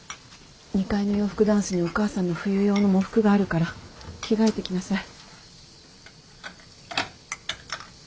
２階の洋服ダンスにお母さんの冬用の喪服があるから着替えてきなさい。